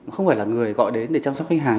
không phải là người gọi đến để chăm sóc khách hàng